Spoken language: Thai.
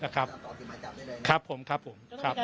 ครับผมครับผม